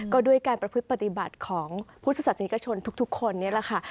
ก็ด้วยการประพฤติปฏิบัติของพุทธศาสนิกชนทุกคนนี่แหละค่ะ